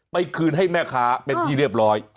คืนให้แม่ค้าเป็นที่เรียบร้อย